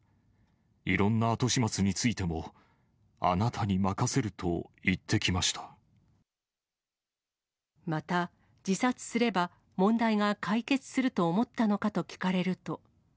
いろんな後始末についても、まだ、自殺すれば、問題が解決すると思ったのかと聞かれると。